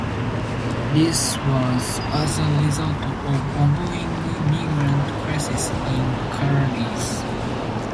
This was as a result of the ongoing migrant crisis in Calais.